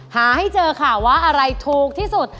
หาให้เจอค่ะว่าอะไรถูกที่สุด